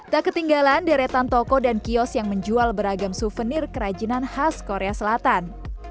tak ketinggalan deretan toko dan kios yang menjual beragam souvenir kerajinan khas korea selatan